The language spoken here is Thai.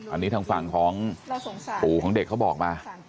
อันนี้ทางฝั่งของปู่ของเด็กเขาบอกมา